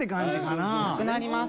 なくなります